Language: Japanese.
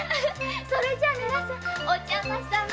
それじゃ皆さんお邪魔さま。